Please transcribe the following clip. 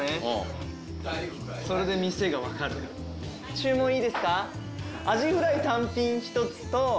注文いいですか？